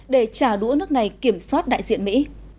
để trả đũa nước này kiểm soát đại diện mỹ